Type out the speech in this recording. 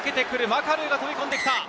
マカルーが飛び込んできた。